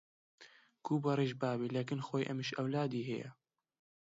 گوو بەڕیش بابی لە کن خۆی ئەمیش ئەولادی هەیە